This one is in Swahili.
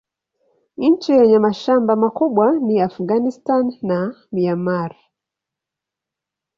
Nchi yenye mashamba makubwa ni Afghanistan na Myanmar.